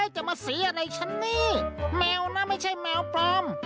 จะมาสีอะไรฉันนี่แมวนะไม่ใช่แมวปลอม